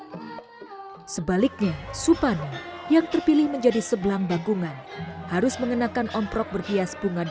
sebelah bagungan sebaliknya supani yang terpilih menjadi sebelang bakungan harus mengenakan perempuan yang belum akil balik atau belum menstruasi